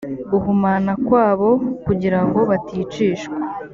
guhumana kwabo kugira ngo baticishwa